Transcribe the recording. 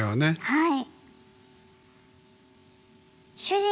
はい。